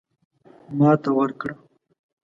ماته ورکړه.